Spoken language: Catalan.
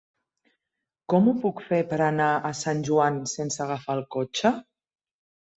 Com ho puc fer per anar a Sant Joan sense agafar el cotxe?